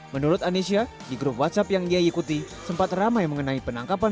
menurut anisya di grup whatsapp yang ia ikuti sempat ramai mengenai penangkapan